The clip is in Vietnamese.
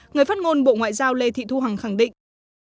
người phát ngôn bộ ngoại giao lê thị thu hằng khẳng định